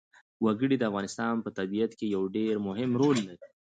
وګړي د افغانستان په طبیعت کې یو ډېر مهم رول لري.